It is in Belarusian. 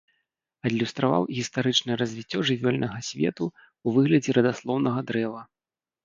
Адлюстраваў гістарычнае развіццё жывёльнага свету ў выглядзе радаслоўнага дрэва.